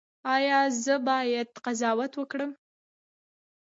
ایا زه باید قضاوت وکړم؟